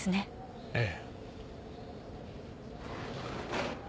ええ。